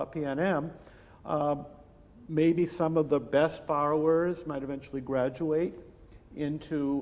mungkin beberapa pengguna terbaik mungkin akan akhirnya bergabung